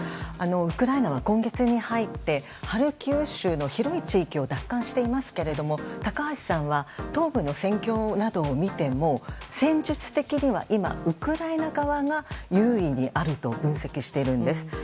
ウクライナは今月に入ってハルキウ州の広い地域を奪還していますけど高橋さんは東部の戦況などを見ても戦術的にはウクライナ側が優位にあると分析しているんです。